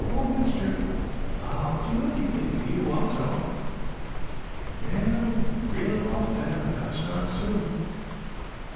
"Oh, mister, I'd do anything for you. I'll talk." "Well, reel it off then. I've got to start soon."